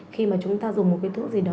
khi mà chúng ta dùng một cái thuốc gì đó